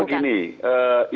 karena kan begini